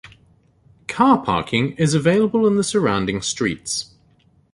Car parking is available in the surrounding streets.